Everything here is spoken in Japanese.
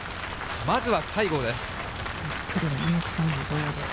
まずは西郷です。